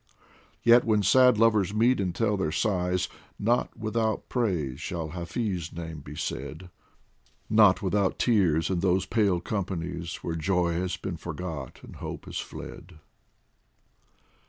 Yet when sad lovers meet and tell their sighs, Not without praise shall Hafiz' name be said, Not without tears, in those pale companies Where joy has been forgot and hope has fled.